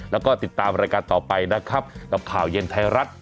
แล้วก็ติดตามรายการต่อไปนะครับกับข่าวเย็นไทยรัฐ